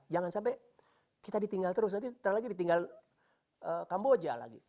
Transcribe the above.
jangan sampai kita ditinggal terus nanti lagi ditinggal kamboja lagi